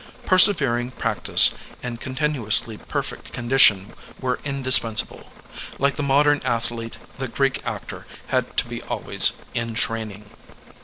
Persevering prac tice and contiQuously perfect condition were indis pensable: like the modem athlete, the Greek actor had to be always in training.